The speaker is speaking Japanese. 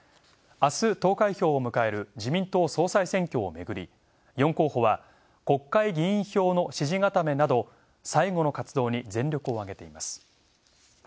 あす投開票をむかえる、自民党総裁選挙をめぐり４候補は国会議員票の支持固めなど最後の活動に全力を挙げています。